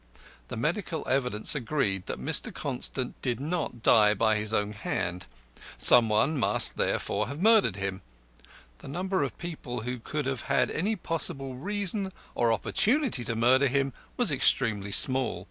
The medical evidence agreed that Mr. Constant did not die by his own hand. Some one must therefore have murdered him. The number of people who could have had any possible reason or opportunity to murder him was extremely small.